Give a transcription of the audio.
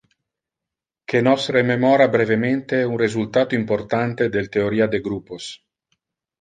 Que nos rememora brevemente un resultato importante del theoria de gruppos.